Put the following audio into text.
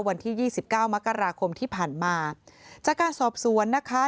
วันที่๒๙มกราคมที่ผ่านมาจากการสอบสวนนะคะ